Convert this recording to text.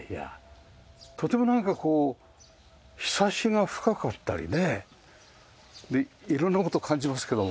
とてもなんかこう庇が深かったりね色んな事を感じますけども。